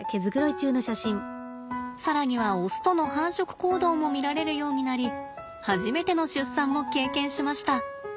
更にはオスとの繁殖行動も見られるようになり初めての出産も経験しました。